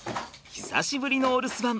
久しぶりのお留守番。